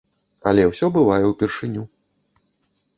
Але ўсё бывае ўпершыню.